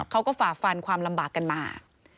ฝ่าฟันความลำบากกันมา